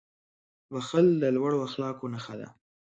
• بښل د لوړو اخلاقو نښه ده.